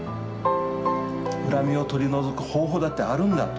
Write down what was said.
恨みを取り除く方法だってあるんだと。